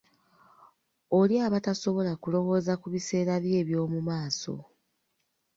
Oli aba tasobola kulowooza ku biseera bye eby'omu maaso.